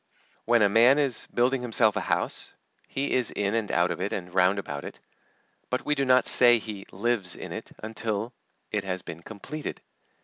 When a man is building himself a house, he is in and out of it and round about it. But we do not say he lives in it until it has been completed.